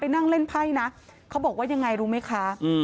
นั่งเล่นไพ่นะเขาบอกว่ายังไงรู้ไหมคะ